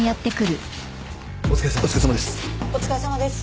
お疲れさまです。